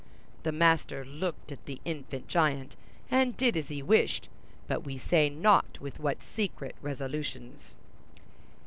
The master looked at the infant giant, and did as he wished, but we say not with what secret resolutions.